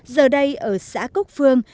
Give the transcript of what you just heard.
giờ đây ở xã cốc phương